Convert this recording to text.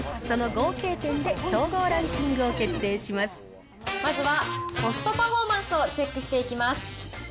その合計点で総合ランキングを決まずはコストパフォーマンスをチェックしていきます。